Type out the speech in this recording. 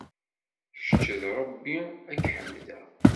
Kečč, d Rebbi, ad k-ḥemdeɣ.